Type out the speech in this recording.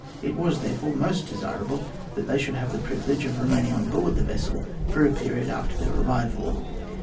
It was, therefore, most desirable that they should have the privilege of remaining on board the vessel for a period after their arrival.